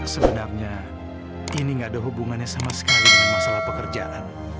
sebenarnya ini gak ada hubungannya sama sekali dengan masalah pekerjaan